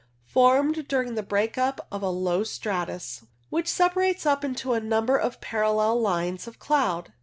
Formed during the break up of a low stratus, which separates up into a number of parallel lines of cloud.